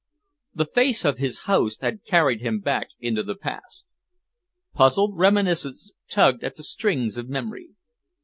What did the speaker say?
The face of his host had carried him back into the past. Puzzled reminiscence tugged at the strings of memory.